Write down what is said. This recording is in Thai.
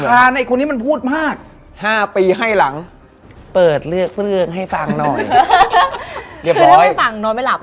ว่าผมคือแบบ